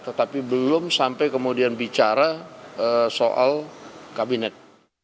tetapi belum sampai kemudian bicara soal kabinet